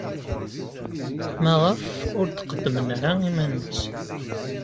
Maɣef ur d-qeddmen ara iman-nsen?